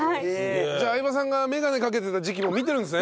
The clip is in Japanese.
じゃあ相葉さんが眼鏡かけてた時期も見てるんですね。